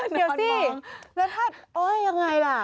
เดี๋ยวสิแล้วถ้ายังไงล่ะ